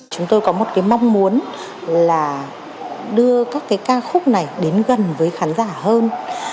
chúng tôi có một mong muốn là đưa các ca khúc này đến gần với khán giả hơn